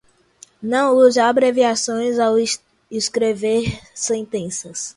Não use abreviações ao escrever sentenças